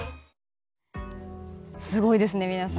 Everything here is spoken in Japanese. すごいですね、皆さん。